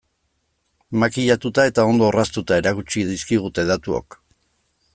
Makillatuta eta ondo orraztuta erakutsi dizkigute datuok.